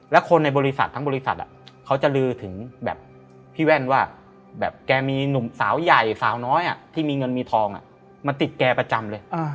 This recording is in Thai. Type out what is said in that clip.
แล้วคนในบริษัททั้งบริษัทเขาจะลือถึงแบบพี่แว่นว่าแบบแกมีหนุ่มสาวใหญ่สาวน้อยที่มีเงินมีทองมาติดแกประจำเลย